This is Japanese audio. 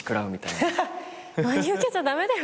真に受けちゃ駄目だよ